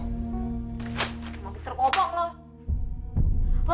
kamu tergobong loh